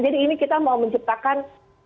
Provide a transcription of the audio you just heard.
jadi ini kita mau menciptakan